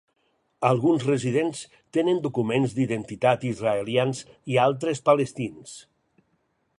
Alguns residents tenen documents d'identitat israelians i altres palestins.